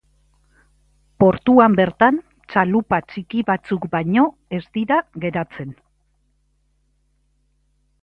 Portuan bertan, txalupa txiki batzuk baino ez dira geratzen.